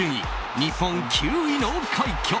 日本９位の快挙。